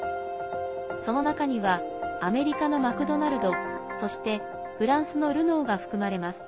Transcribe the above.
その中にはアメリカのマクドナルドそして、フランスのルノーが含まれます。